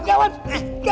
tuan gawat tuan